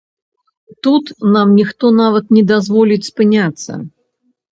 Тут нам ніхто нават не дазволіць спыняцца.